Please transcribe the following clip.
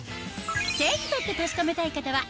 手に取って確かめたい方は